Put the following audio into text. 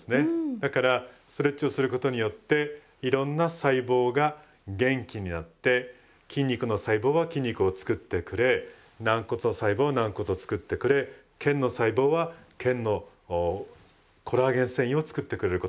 だからストレッチをすることによっていろんな細胞が元気になって筋肉の細胞は筋肉を作ってくれ軟骨の細胞は軟骨を作ってくれ腱の細胞は腱のコラーゲン線維を作ってくれることになるんですね。